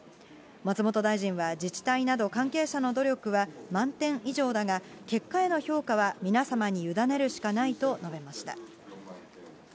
松本大臣は、自治体など関係者の努力は満点以上だが、結果への評価は皆様に委ねるしかないと述べました。